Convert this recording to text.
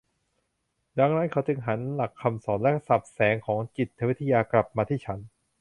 ดังนั้นเขาจึงหันหลักคำสอนและศัพท์แสงของจิตวิทยากลับมาที่ฉัน